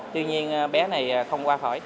tuy nhiên bé này không qua phổi